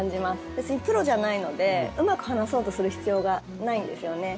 別にプロじゃないのでうまく話そうとする必要がないんですよね。